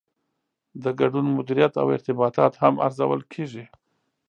د ګډون مدیریت او ارتباطات هم ارزول کیږي.